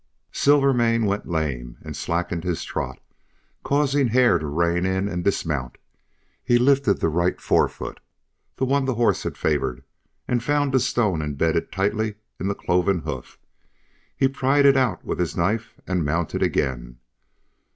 Silvermane went lame and slackened his trot, causing Hare to rein in and dismount. He lifted the right forefoot, the one the horse had favored, and found a stone imbedded tightly in the cloven hoof. He pried it out with his knife and mounted again.